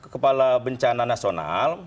kepala bencana nasional